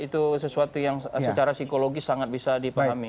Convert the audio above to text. itu sesuatu yang secara psikologis sangat bisa dipahami